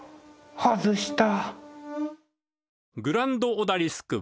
外した。